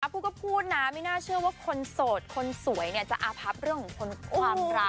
พูดก็พูดนะไม่น่าเชื่อว่าคนโสดคนสวยจะอาพับเรื่องของความรัก